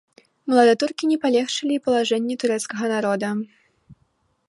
Младатуркі не палегчылі і палажэнні турэцкага народа.